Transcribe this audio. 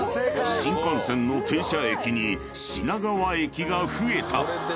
新幹線の停車駅に品川駅が増えた］